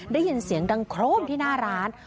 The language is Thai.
ได้ยินเสียงดังโครมที่หน้าร้าน